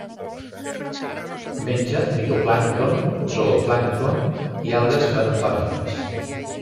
Menja fitoplàncton, zooplàncton i algues bentòniques.